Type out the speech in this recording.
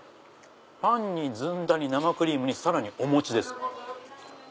パンにずんだに生クリームにさらにお餅です。